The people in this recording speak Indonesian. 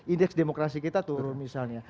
indeks demokrasi kita turun misalnya